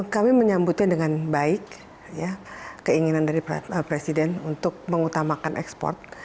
kami menyambutnya dengan baik keinginan dari presiden untuk mengutamakan ekspor